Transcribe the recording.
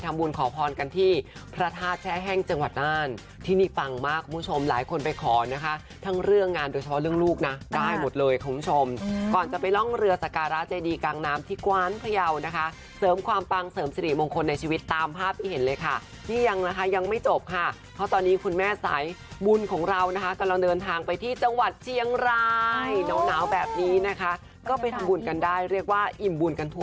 ทั้งเรื่องงานโดยเฉพาะเรื่องลูกนะได้หมดเลยคุณผู้ชมก่อนจะไปร่องเรือสการาเจดีกลางน้ำที่กวานพระเยานะคะเสริมความปังเสริมสิริมงคลในชีวิตตามภาพให้เห็นเลยค่ะนี่ยังนะคะยังไม่จบค่ะเพราะตอนนี้คุณแม่สายบุญของเรานะคะกำลังเดินทางไปที่จังหวัดเชียงรายเหนาแบบนี้นะคะก็ไปทำบุญกันได้เรียกว่าอิ่มบุญกันท